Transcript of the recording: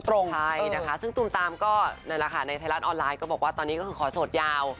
ใช่นะคะซึ่งตูมตามก็นั่นแหละค่ะในไทยรัฐออนไลน์ก็บอกว่าตอนนี้ก็คือขอโสดยาว